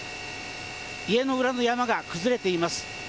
家の裏の山が崩れています。